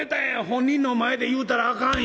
『本人の前で言うたらあかん』